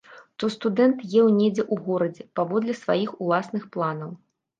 То студэнт еў недзе ў горадзе паводле сваіх уласных планаў.